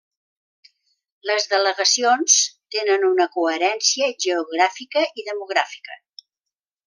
Les delegacions tenen una coherència geogràfica i demogràfica.